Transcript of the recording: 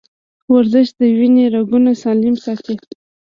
ورزش د وینې رګونه سالم ساتي.